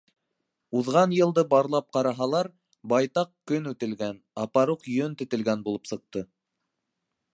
Уҙған йылды барлап ҡараһалар, байтаҡ көн үтелгән, апаруҡ йөн тетелгән булып сыҡты.